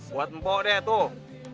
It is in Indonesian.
buat mpok deh tuh